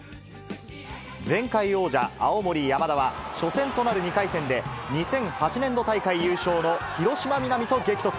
前回王者、青森山田は、初戦となる２回戦で、２００８年度大会優勝の広島皆実と激突。